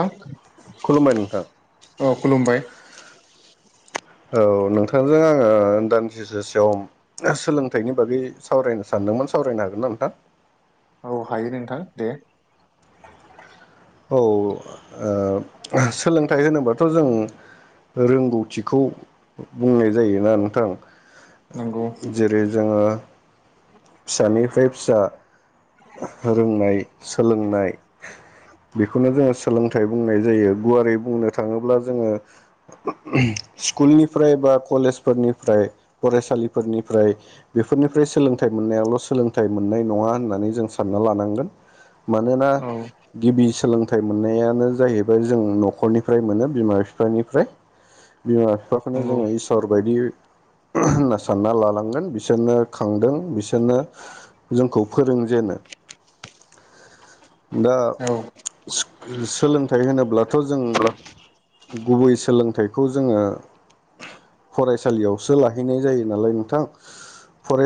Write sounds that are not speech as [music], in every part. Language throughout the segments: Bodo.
नोंथां खुलुमबाय नोंथां । औ खुलुमबाय । औ नोंथांजों आंङो दानदिसे सम सोलोंथाइनि बागै सावरायनो सानदोंमोन सावरायनो हागोन ना नोंथां? औ हायो नोंथां दे । औ सोलोंथाइ होनोबाथ' जों रोंगौथिखौ बुंनाय जायोना नोंथां नंगौ । जेरै जोंङो फिसानिफ्राय फिसा रोंनाय सोलोंनाय बेखौनो जोंङो सोलोंथाइ बुंनाय जायो गुवारै बुंनो थाङोब्ला जोंङो स्कुलनिफ्राय बा कलेजफोरनिफ्राय फरायसालिफोरनिफ्राय बेफोरनिफ्राय सोलोंथाइ फिथाइ मोननायावल' सोलोंथाइ मोननाय नङा होननानै जों सानना लानांगोन मानोना औ गिबि सोलोंथाइ मोननायानो जाहैबाय जों न'खरनिफ्राय मोनो बिमा बिफानिफ्राय बिमा बिफाखौनो नंगौ जोङो इसर बायदि होना सानना लालांगोन बिसोरनो खांदों बिसोरनो जोंखौ फोरोंजेनो औ सो सोलोंथाइ होनोब्लाथ' जों गुबै सोलोंथाइखौ जोङो फरायसालियावसो लाहैनाय जायो नालाय नोंथां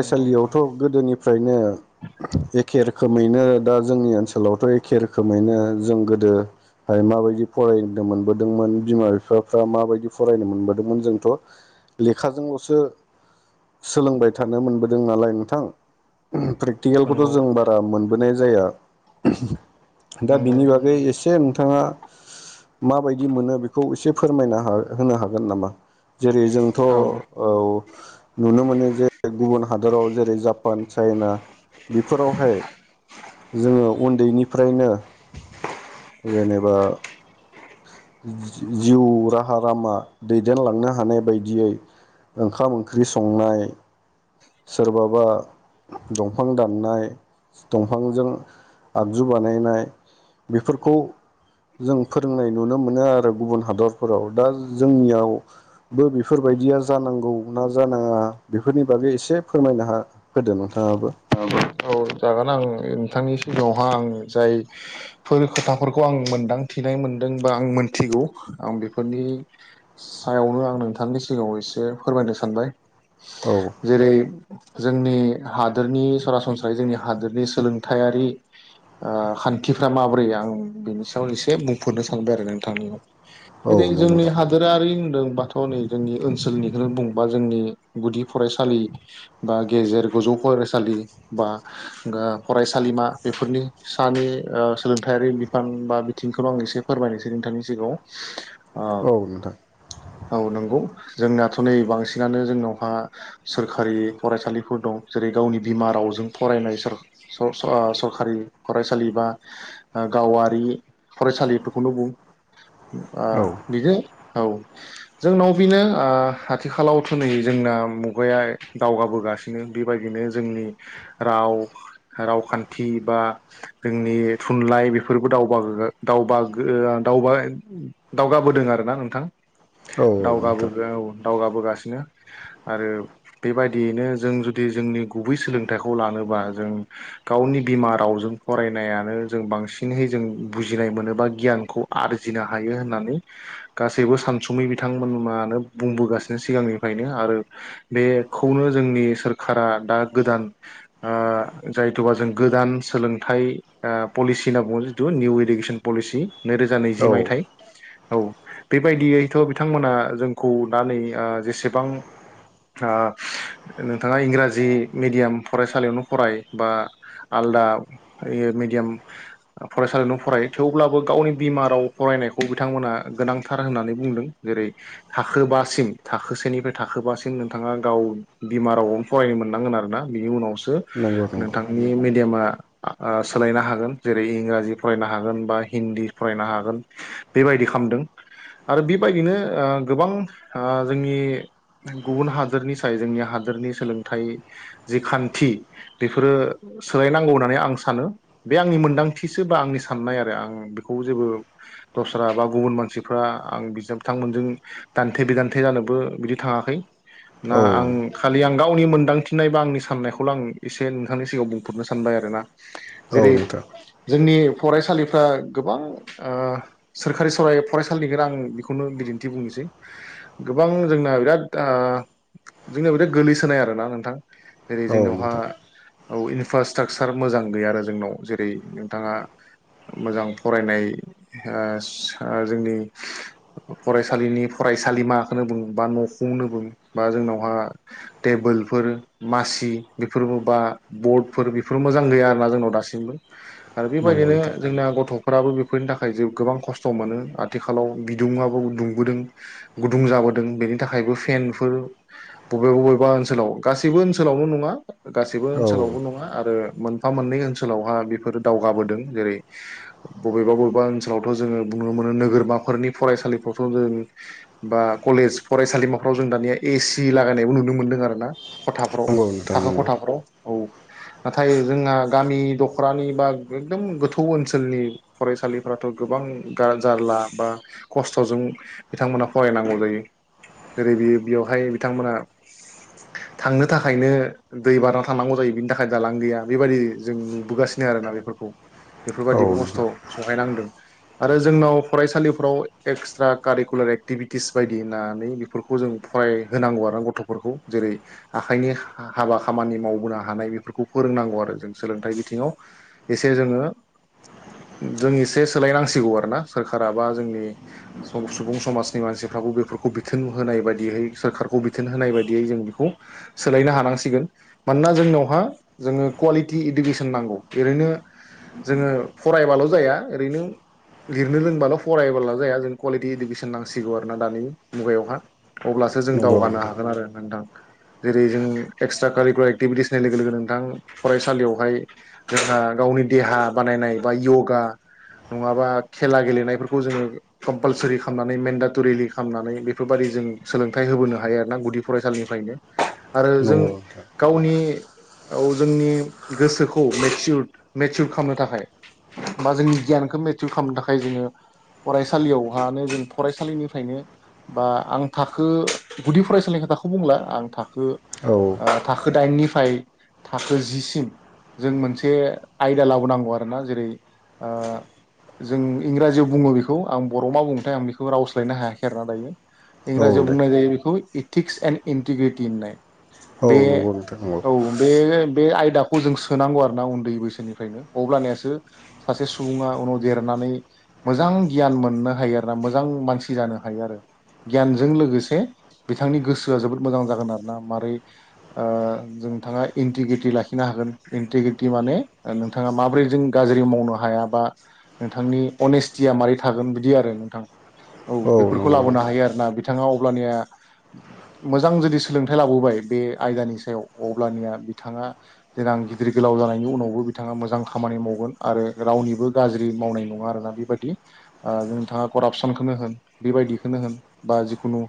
नंगौ थ नोंथां गोदोनिफ्रायनो एखे रोखोमैनो दा जोंनि ओनसोलावथ' एखे रोखोमैनो जों गोदोहाय माबायदि फरायदोंमोन मोनबोदोंमोन बिमा बिफाफ्रा माबायदि फरायनो मोनबोदोंमोन जोंथ' लेखाजोंल'सो सोलोंबाय थानो मोनबोदों नालाय थां प्रेकटिकेलखौथ' नंगौ जों बारा मोन बोनाय जाया दा नंगौ बिनि औ बागै ए ए नोंथाङा माबायदि मोनो बेखौ एसे फोरमायना होनो हागोन नामा जेरै जोंथ' नुनो मोनो जे गुबुन हादराव जेरै ज जापान चाइना बेफोरावहाय जोङो उन्दैनिफ्रायनो जेनेबा जि-जिउ राहा लामा दैदेनलांनो हानाय बायदियै ओंखाम ओंख्रि संनाय सोरबाबा दंफां दाननाय दंफांजों आगजु बानायनाय बेफोरखौ जों फोरोंनाय नुनो मोनो आरो गुबुन हादरफोराव दा जोंनियावबो बेफोरबायदिया जानांगौ ना जानाङा बेफोरनि बागै एसे फोरमायना हा-होदो नोंथाङाबो औ जागोन आं नोंथांनि सिगाङावहा आं जायफोर खोथाफोरखौ आं मोनदांथिनाय मोनदों बा आं मोनथिगौ आं बेफोरनि सायावनो आं नोंथांनि सिगाङाव एसे फोरमायनो सानबाय औ जेरै जोंनि हादोरनि सरासन ओमफ्राय जोंनि हादोरनि सोलोंथायायारि ओ खान्थिफ्रा माब्रै आं बेनि सायाव एसे बुंफोरनो सानबाय आरो नोंथांनिङाव औ जेरै नंगौ जोंनि नोंथां हादोरारि होनदों बा थ' नै जोंनि ओनसोलनिखौनो बुंबा जोंनि गुदि फरायसालि बा गेजेर गोजौ फरायसालि बा ओ फरायसालिमा बेफोरनि सानि सोलोंथायारि बिफान बा बिथिंखौनो आं एसे फोरमायनोसै नोंथांनि सिगाङाव औ औ नंगौ जोंनाथ' नै बांसिनानो जोंनावहा सोरखारि फरायसालिफोर दं जेरै गावनि बिमा राव जों फरायनाय सर-आ-सरखारि फरायसालि बा गावारि फरायसालिफोरखौनो बुं ओ औ बिदि औ जोंनाव बेनो आथिखालावथ' नै जोंना मुगाया दावगाबोगासिनो बेबायदिनो जोंनि राव रावखान्थि बा जोंनि थुनलाइ बेफोरबो दावबागोद-आ-दावबागाआ-दावगाबोदों आरोना नोंथां औ दावगाबो नोंथां औ दावगाबोगासि बिनो आरो बेबायदियैनो जों जुदि जोंनि गुबै सोलों थाइखौ लानोबा जों गावनि बिमा रावजों फरायनायानो जों बांसिनहै जों बुजिनाय मोनो गियानखौ आरजिनो हायो होननानै गासैबो सानसुमै बिथांमोनमानो बुंबोगासिनो सिगांनिफ्रायनो आरो बेखौनो जोंनि सोरखारा दा गोदान आ जायथ'बा जों गोदान सोलोंथाइ ओ पलिसि होनना जायफोरा बुङो जिथु निउ इडुकेसन पलिसि नैरोजा नैजि औ मायथाइ औ बेबायदियैथ' बिथांमोना जोंखौ दा नै जेसेबां ओ नोंथाङा इंराजि मिडियाम फरायसालियावनो फराय बा आलदा ओ मेडियाम फरायसालियावनो फराय थेवब्लाबो गावनि बिमा राव फरायनायखौ बिथांमोना गोनांथार होननानै बुंदों जेरै थाखोबासिम थाखोसेनिफ्राय थाखोबासिम नोंथाङा गाव बिमा रावआवनो फरायनो मोननांगोन आरो ना बिनि उनावस सो नंगौ नंगौ नोंथांनि मेडियामा ओ सोलायनो हागोन जेरै इंराजि फरायनो हागोन बा हिन्दी फरायनो हागोन बेबायदि खालामामदों आरो बेबायदिनो ओ गोबां ओ जोंनि गुबुन हादोरनि साय जोंनि हादोरनि सोलोंथाइ जि खान्थि बेफोरो सोलायनांगौ होननानै आं सानो बे आंनि मोन्दांथिसो बा आंनि साननाय आरो आं बेखौ जेबो दस्रा बा गुबुन मानसिफ्रा आं बि बिथांमोनजों दान्थे बिदान्थे जानोबो बिदि थाङाखै औ ना आं औ खालि आं गावनि मोनदांथिननाय बा आंनि साननायखौल आं एसे नोंथांनि सिगाङां बुंफरनो सानबाय आरो ना औ जेरै नोंथां जोंनि फरायसालिफ्रा गोबां ओ सोरखारि ओ फरायसालिनिखौ आं बेखौनो बिदिन्थि बुंनोसै गोबां जोंना बिराद जोंनाया बिराद गोलैसोनाय आरो ना नोंथां जेरै औ जोंनावहा नोंथां औ इनफ्रास्ट्राकचार मोजां गैया आरो जोंनाव जेरै नोंथाङा मोजां फरायनाय ओ जोंनि फरायसालिनि फरायसालिमाखौनो बुं बा न'खौनो बुं बा जोंनावहा टेबोल फोर मासि फोर बा बद बेफोर मोजां गैया आरोना जोंनाव दासिमबो आरो नंगौ बेबायदिनो नोंथां जोंना गथ' फोराबो बेफोरनि थाखाय ज गोबां खस्थ' मोनो आथिखालाव बिदुडाबो दुंबोदों गुदुं जाबोदों बेनि थाखायबो फेनफोर बबेबा बबेबा ओनसोलाव गासिबो ओनोल ओनसोलावनो नङा गाससिबो औ ओनसोलावबो नङा आरो मोनफा मोननै ओनसोलावहा बेफोरो दावगाबोदों जेरै बबेबा बबेबा ओनसोलावथ' जोङो बुं नुनो मोनो नोगोरमाफोरनि फरायसालिफ्रावथ' जों बा कलेज फरायसालिमाफ्राव जों दानिया एसि लागायनायबो नुनो मोनदों आर थाखो नंगौ नोंथां नंगौ खथाफोराव औ नाथाय जोंहा गामि दखरानि बा एकदम गोथौ ओनसोलनि फरायसालिफ्राथ' गोबां जारला बा खस्थ'जों बिथांमोना फरायनांगौ जायो जेरै बे बेयावहाय बिथांमोना थांनो थाख थाखायनो दै बारना थानांगौ जायो बिनि थाखाय दालां गैया बेबायदि जों नुबोगासिनो आरोना बेफोरखौ औ बेफोरबायादिबो खस्थ' नोंथां सहायनांदों आरो जोंनाव फरायसालिफ्राव एक्सट्रा कारिकुलार एक्टिभिटिस बायदि होननानै बेफोरखौ जों फरायहोनांगौ आरो गथ'फोरखौ जेरै आखाइनि हाबा खामानि मावबोनो हानाय बेफोरखौ फोरोंनांगौ आरो जों सोलोंथाइ बिथिङाव एसे जोङो जों एसे सोलायनांसिगौ आरोना सोरखारा बा जोंनि सुबुं समाजनि मानसिफ्राबो बेफोरखौ बिथोन होनाय बायदियै सोरखारखौ बिथोन होनाय बायदियै जों बेखौ सोलायनो हानांसिगोन मानोना जोंनावहा जोङो कुवालिटि इडुकेसन नांगौ ओरैनो जोङो फरायबाल' जाया ओरैनो लिरनो लोंबाल' फरायबला' जाया जों कुवालिटि इडुकेसन नांसिगौ आरोना दानि मुगायावहा अब्लासो जों नंगौ दावगानो नोंथां हागोन आरो नोंथां जेरै जों एक्सट्रा कारिकुलार एक्टिभिटिसनाय लोगो लोगो नोंथां फरायसालियावहाय जोंहा गावनि देहा बानायनाय बा यगा नङाबा खेला गेलेनायफोरखौ जोङो कम्पालसरि खालामनानै मेन्डाटरिलि खालामनानै बेफोरबाददि जों सोलोंथाइ होबोनो हायो आरो ना गुदि फरायसालिनिफ्रायनो आरो जों नंगौ नोंथां गावनि औ जोंनि गोसोखौ मेचिउर मेचिउर खालामनो थाखाय बा जोंनि गियानखौ मेचर खालामनो थाखाय जोङो फरायसालियावहानो जों फरायसालिनिफ्रायनो बा आं थाखो गुदि फरायसालिनि खोथाखौ बुंला आं ओ औ आ थाखो थाखो दाइननिफ्राय थाखो जिसिम जों मोनसे आयदा लाबोनांगौ आरोना जेरै ओ जों इंराजियाव बुङो बेखौ आं बर' मा बुंङोथाय आं बेखौ रावस्लायनो हायाखै आरोना दायो औ इंराजियाव दे बुंनाय जायो बिखौ इटक्स एन्ड इन्टिग्रिटि थिननाय औ बे नंगौ नोंथां नंगौ औ बे बे आय दाखौ जों सोनांगौ आरो ना उन्दै बैसोनिफ्रायनो अब्लनिसो सासे सुबुङा उनाव देरनानै मोजां गियान मोननो हायो आरो ना मोजां मानसि जानो हायो आरो गियानजों लोगोसे बिथांनि गोसोआ जोबोद मोजां जागोन आरोना मारै आ जोंथाङा एक्टिभिटि लाखिनो हागोन एक्टिभिटि माने नोंथाङा माब्रै जों गाज्रि मावनो हाया बा नोंथांनि अनेसथिआ मारैथागोन बिदि आरो नोंथां औ बेफोरखौ नंगौ लाबोनो नोंथां हायो आरोना बिथाङा अब्लानिया मोजां रिलिस सोलोंथाइ लाबोबाय बे आयदानि सायाव अब्लानिया बिथाङा देनां गिदिर गोलाव जानायनि उनावबो बिथाङा मोजां खामानि मावगोन आरो रावनिबो गाज्रि मावनाय नङा आरोना बेबायादि नोंथाङा करापसनखौनो होन बेबायदिखौनो होन बा जिखुनु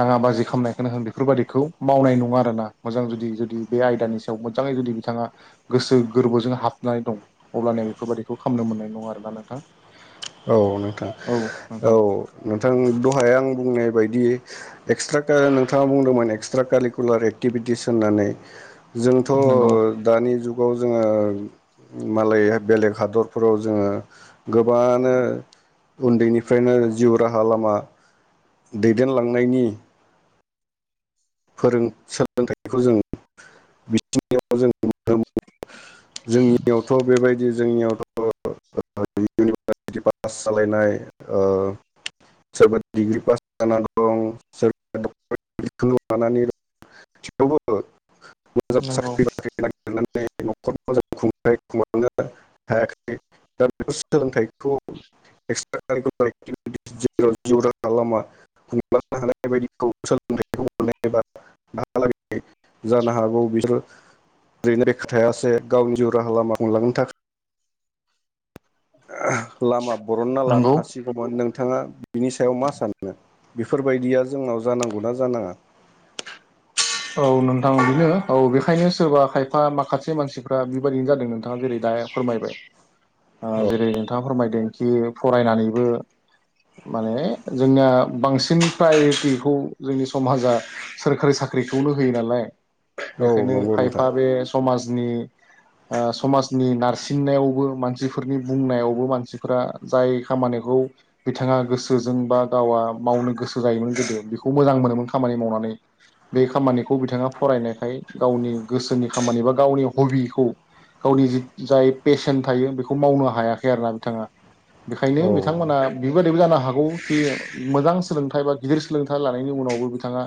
दाङा बाजि खालामामनायखौनो होन बे बेफोरबादिखौ मावनाय नङा आरोना मोजां जुदि जुदि बे आयदानि सायाव मोजाङै जुदि बिथाङा गोसो गोरबोजों हाबनानै दं अबब्लाानोया बेफोरबाददिखौ खालामनो मोननाय नङा आरोना नोंथां औ नोंथां औ नोंथां औ नोंथां दहाया आं बुंनाय बायदि एक्सट्रा नोंथङा बुंदोंमोन एक्सट्रा कारिकुलार एक्टिभिटिस होन्नानै जोंथ' नंगौ दानि जुग थ जोङो मालाय बेलेग हादरफोराव जोङो गोबां नों उन्दैनिफ्रायनो जिउ राहा लामा दैदेनलांनायनि फोरों सोलोंथाइखौ जों मिथिनायाव [inaudible] जोंनियावथ' बेबायदि जोंनियावथ' इउनिभारसिटि पास जालायनाय ओ सोरबा डिग्रि पास जानानै दं सोरबा [inaudible] लानानै दं थेवबो मोजां नंगौ साख्रि बाख्रि [inaudible] खुंनो हायाखै दा बे सोलोंथायखौ [inaudible] जिउ राहा लामा खुंलांनो हानाय बायदि जानो हागौ बिसोर ओरैनोखा थायासे गावनि जिउ राहा लामा खुंलांनो थाखाय लामा बरनना लानो नंगौ हासिगौमोन नों बिथोंङा बिनि सायाव मा सानखो बेफोरबायदिया जोंनाव जानांगौना जानाङा? औ नोंथां बिनो औ बेखायनो सोरबा खायफा माखासे मानसिफ्रा बेबायाददिनो जादों नोंथाङा जेरै दा फोरमायबाय औ जेरै नोंथाङा फोरमायदोंखि फरायनानैबो माने जोंनाया बांसिन प्रायरिटिखौ जोंनि समाजा सोरखारि साख्रि साख्रिखौनो होयो नालाय । औ बेखायनो नंगौ नोंथां खायफा बे समाज दिनै समाजनि नारसिननायावबो मानसिफोरनि बुंनायावबो मानसिफोरा जाय खामानिखौ बिथाङा गोसोजों बा गावा मावनो गोसो जायोमोन गोदो बेखौ मोजां मोनोमोन खामानि मावनानै बे खामानिखौ बिथाङा फरायनायखाय गावनि गोसोनि खामानि बा गावनि हबिखौ गावनि जि जाय पेसन थायो बेखौ मावनो हायाखै आरोना बिथाङा । बेखायनो औ बिथांमोना बेबायदिबो जानो हा हागौ बे मोजां सोलोंथाइ बा गिदिर सोलोंथाइ लानायनि उनावबो बिथाङा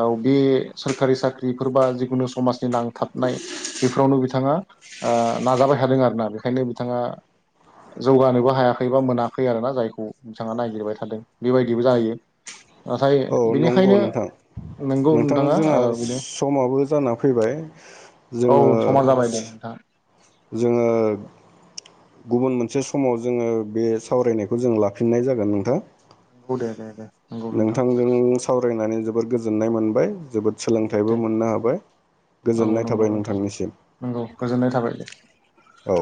औ बे सोरखारि साख्रिफोर बा जिखुनु समाजनि नांथाबनाय बेफोरावनो बिथाङा नाजाबाय थादों आरोना बेखायनो बिथाङा जौगानोबो हायाखै बा मोनाखै आरोना जायखौ बिथाङा नागिरबाय थादों बेबायदिबो जायो । नाथाय औ नंगौ बिनिखायनो नोंथां नोंथां जोंहा समाबो जाना फैबाय औ जोंङो समा जाबाय दे नोंथां गुबुन मोनसे समाव जोङो बे सावरायनायखौ जों लाफिननाय जागोन नोंथां । नोंगौे दे दे दे । नोंथांजों सावरायनानै जोब जोबोर गोजोननाय मोनबाय । जोबोद सोलोंथाइबो दे मोननो हाबाय औ गोजोननाय नंगौ थाबाय नोंथां नोंथांनिसिम । नंगौ गोजोननाय थाबाय दे औ